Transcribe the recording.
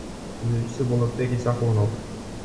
Түзүүчүсү — Болотбек Исахунов.